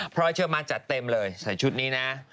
เพราะโอโยเชอร์มาส์จัดเต็มเลยใส่ชุดนี้นะ